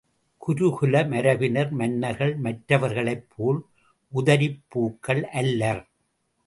குரு குல மரபினர் மன்னர்கள் மற்றவர்களைப் போல் உதிரிப் பூக்கள் அல்லர்.